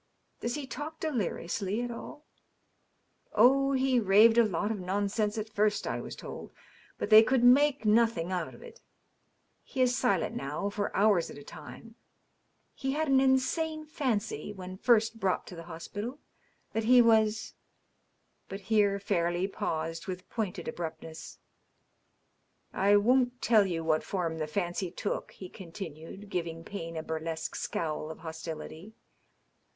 " Does he talk deliriously at all ?"" Oh, he raved a lot of nonsense at first, I was told. But they could make nothing out of it. He is silent, now, for hours at a time. He had an insane fancy, when first brought to the hospital, that he was " But here Fairle^h paused with pointed abruptness. " I won't tell you what form the fancy took," he continued, giving Payne a burlesque scowl of hostility.